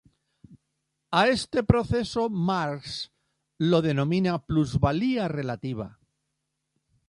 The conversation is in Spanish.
A este proceso Marx lo denomina "plusvalía relativa".